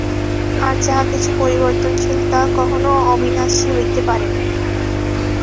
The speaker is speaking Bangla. আর যাহা কিছু পরিবর্তনশীল, তাহা কখনও অবিনাশী হইতে পারে না।